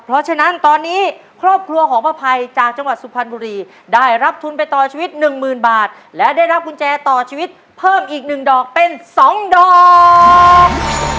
เพราะฉะนั้นตอนนี้ครอบครัวของป้าภัยจากจังหวัดสุพรรณบุรีได้รับทุนไปต่อชีวิตหนึ่งหมื่นบาทและได้รับกุญแจต่อชีวิตเพิ่มอีก๑ดอกเป็น๒ดอก